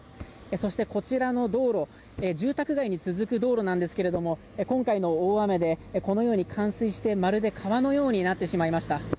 そして、こちらの道路住宅街に続く道路なんですけども今回の大雨でこのように冠水してまるで川のようになってしまいました。